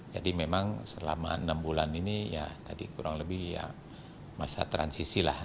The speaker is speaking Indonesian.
jadi memang selama enam bulan ini ya tadi kurang lebih ya masa transisi lah